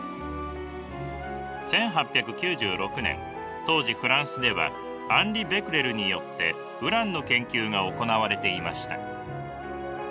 １８９６年当時フランスではアンリ・ベクレルによってウランの研究が行われていました。